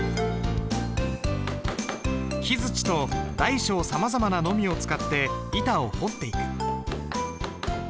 木づちと大小さまざまなのみを使って板を彫っていく。